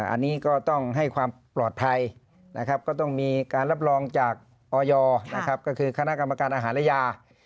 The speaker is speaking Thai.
อันนี้ก็ต้องให้ความปลอดภัยนะครับก็ต้องมีการรับรองจากออยนะครับก็คือคณะกรรมการอาหารและยา